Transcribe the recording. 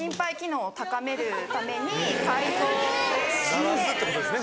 ・慣らすってことですね